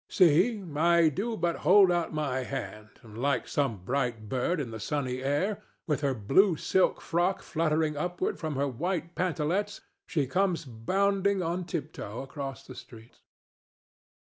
See! I do but hold out my hand, and like some bright bird in the sunny air, with her blue silk frock fluttering upward from her white pantalets, she comes bounding on tiptoe across the street.